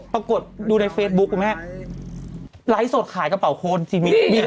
ปรากฏดูในเฟซบุ๊กแม่ไลค์สดขายกระเป๋าคนนี่